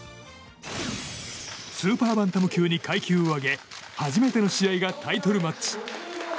スーパーバンタム級に階級を上げ、初めての試合がタイトルマッチ。